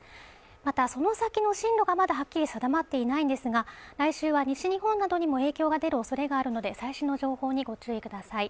またその先の進路がまだはっきり定まっていないんですが来週は西日本などにも影響が出るおそれがあるので最新の情報にご注意ください